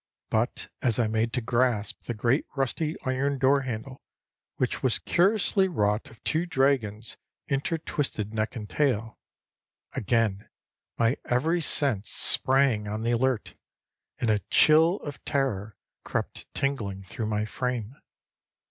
But as I made to grasp the great rusty iron doorhandle, which was curiously wrought of two dragons intertwisted neck and tail, again my every sense sprang on the alert, and a chill of terror crept tingling through my frame.